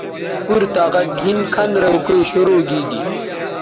پورطاقت گھن کھن رے اوکئ شرو گیگی